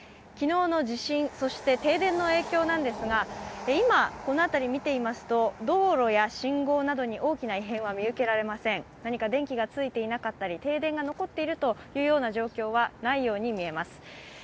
昨日の地震、そして停電の影響なんですが今、この辺り見てみますと、道路や信号などに大きな異変は見受けられません、電気がついていなかったり停電が残っているというような状況はないように見えます。